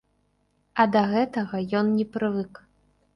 А да гэтага ён не прывык.